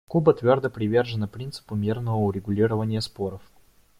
Куба твердо привержена принципу мирного урегулирования споров.